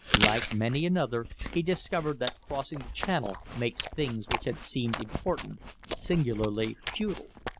Like many another he discovered that crossing the Channel makes things which had seemed important singularly futile.